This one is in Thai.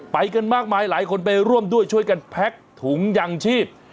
ไปกันมากมายหลายคนไปร่วมด้วยช่วยกันแพ็กถุงยางชีพ